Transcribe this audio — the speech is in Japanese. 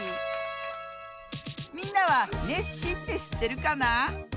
みんなはネッシーってしってるかな？